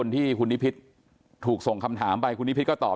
ที่คุณนิพิษถูกส่งคำถามไปคุณนิพิษก็ตอบ